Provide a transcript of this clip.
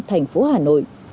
thành phố hà nội